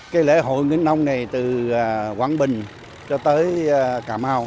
cái lễ hội nghìn ông này từ quảng bình cho tới cà mau